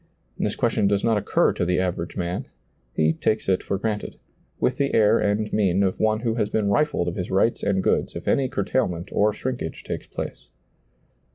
This question does not occur to the aven^ man ; he takes it for granted, with the air and mien of one who has been rifled of his rights and goods, if any curtailment or shrinkage takes place.